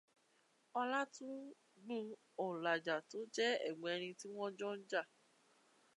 Ọlá tún gún òǹlàjà, tó jẹ́ ẹ̀gbọ́n ẹni tí wọn jọ ń jà.